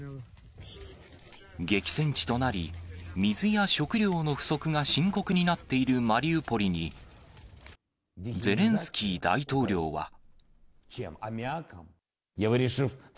激戦地となり、水や食料の不足が深刻になっているマリウポリに、ゼレンスキー大統領は。